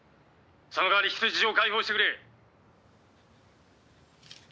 「その代わり人質を解放してくれ」